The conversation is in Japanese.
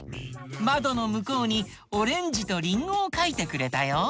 まどのむこうにオレンジとリンゴをかいてくれたよ。